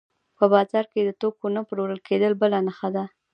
په بازار کې د توکو نه پلورل کېدل بله نښه ده